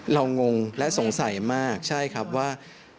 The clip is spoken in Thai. งงและสงสัยมากใช่ครับว่า